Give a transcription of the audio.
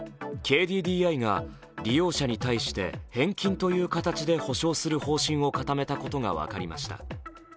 ＫＤＤＩが利用者に対して返金という形で補償する方針を固めたことが分かりました。